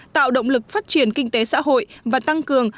tạo động lực phát triển kinh tế xã hội và tăng cường